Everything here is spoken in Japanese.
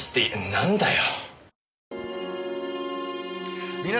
なんだよ！？